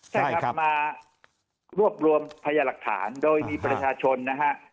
ใช่ครับมารวบรวมพยาหลักฐานโดยมีประชาชนนะฮะ